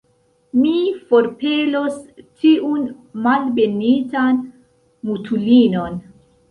Mi forpelos tiun malbenitan mutulinon!